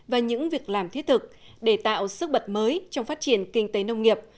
và những việc làm thiết thực để tạo sức bật mới trong phát triển kinh tế nông nghiệp